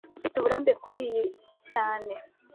Mfite uburambe kuriyi cyane